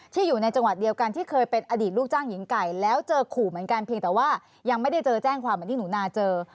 อยู่ในจังหวัดเดียวกันที่เคยเป็นอดีตลูกจ้างหญิงไก่แล้วเจอขู่เหมือนกันเพียงแต่ว่ายังไม่ได้เจอแจ้งความเหมือนที่หนูนาเจอ